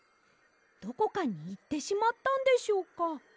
どこかにいってしまったんでしょうか？